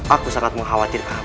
aku sangat mengkhawatirkan puning